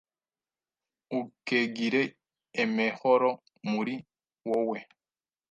ukegire emehoro muri wowe,